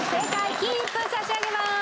金一封差し上げます。